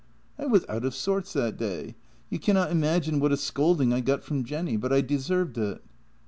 "" I was out of sorts that day. You cannot imagine what a scolding I got from Jenny, but I deserved it."